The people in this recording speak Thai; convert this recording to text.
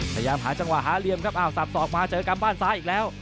พยายามหาจังหวะหาเหลี่ยมครับอ้าวสับสอกมาเจอกรรมบ้านซ้ายอีกแล้ว